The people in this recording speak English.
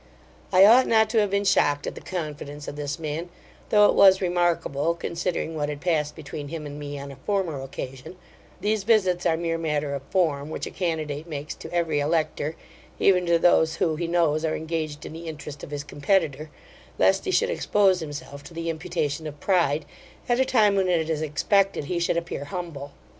I ought not to have been shocked at the confidence of this man; though it was remarkable, considering what had passed between him and me on a former occasion These visits are mere matter of form, which a candidate makes to every elector; even to those who, he knows, are engaged in the interest of his competitor, lest he should expose himself to the imputation of pride, at a time when it is expected he should appear humble.